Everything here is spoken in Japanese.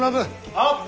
はっ。